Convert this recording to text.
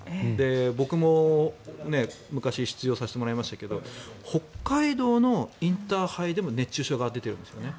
僕も昔出場させてもらいましたけど北海道のインターハイでも熱中症が出ているんですよね。